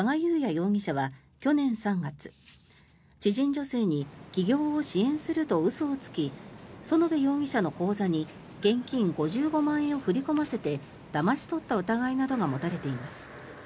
容疑者は去年３月、知人女性に起業を支援すると嘘をつき園部容疑者の口座に現金５５万円を振り込ませてだまし取った疑いなどが持たれています。